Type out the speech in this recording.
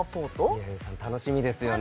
南さん楽しみですよね